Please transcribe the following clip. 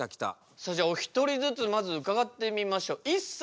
それじゃあお一人ずつまず伺ってみましょう。